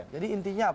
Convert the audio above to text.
jadi intinya apa